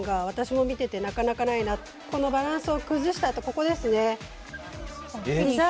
私も見ていてなかなかないバランスを崩したとこここですね。